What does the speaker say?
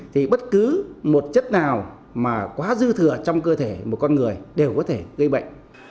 thì bất cứ một chất nào mà quá dư thừa trong cơ thể một con người đều có thể gây bệnh